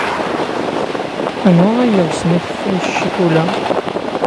Anwa ay yeɣsen akeffay s ccikula?